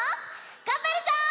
がんばるぞ！